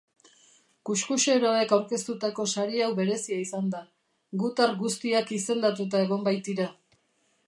Kuxkuxeroek aurkeztutako sari hau berezia izan da, gutar guztiak izendatuta egon baitira.